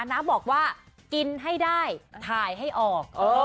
น้าบอกว่ากินให้ได้ถ่ายให้ออก